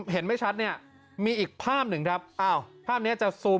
เห็นไม่ชัดเนี่ยมีอีกภาพหนึ่งครับอ้าวภาพนี้จะซูม